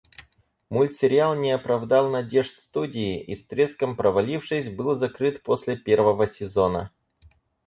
Мультсериал не оправдал надежд студии и, с треском провалившись, был закрыт после первого сезона.